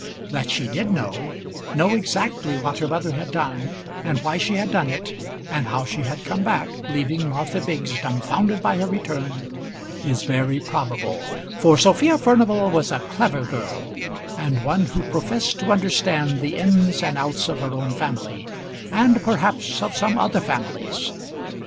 That she did know, know exactly what her mother had done, and why she had done it, and how she had come back, leaving Martha Biggs dumfounded by her return, is very probable, for Sophia Furnival was a clever girl, and one who professed to understand the ins and outs of her own family, and perhaps of some other families.